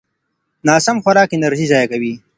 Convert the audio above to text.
ناسم خوراک انرژي ضایع کوي.